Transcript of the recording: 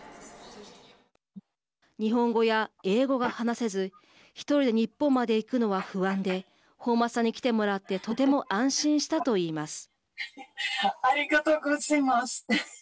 日本語や英語が話せず１人で日本まで行くのは不安で本間さんに来てもらってとても安心したといいます。